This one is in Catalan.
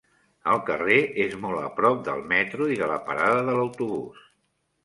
El carrer és molt a prop del metro i de la parada de l'autobús.